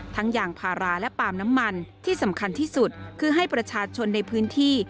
ยางพาราและปาล์มน้ำมันที่สำคัญที่สุดคือให้ประชาชนในพื้นที่